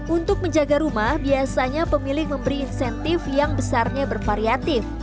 untuk menjaga rumah biasanya pemilik memberi insentif yang besarnya bervariatif